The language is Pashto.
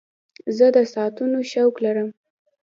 زه د ساعتونو شوق لرم.